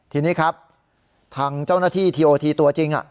ทีนี้ครับทางเจ้าหน้าที่ทีโอทีตัวจริง